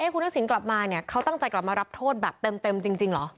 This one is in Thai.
คุณศิลป์กลับมาเขาตั้งใจกลับมารับโทษแบบเต็มจริงหรอ